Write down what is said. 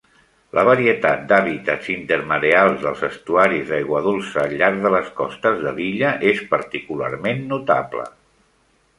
La varietat d'hàbitats intermareals dels estuaris d'aigua dolça al llarg de les costes de l'illa és particularment notable.